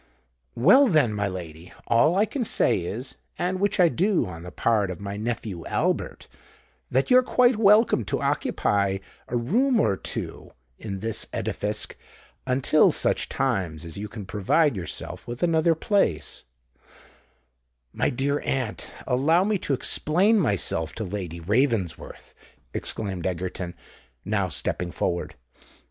"Well then, my lady, all I can say is—and which I do on the part of my nephew Albert—that you're quite welcome to occupy a room or two in this edifisk until such times as you can provide yourself with another place——" "My dear aunt, allow me to explain myself to Lady Ravensworth," exclaimed Egerton, now stepping forward.